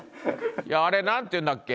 いやあれ何ていうんだっけ？